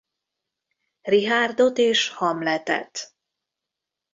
Richárdot és Hamletet.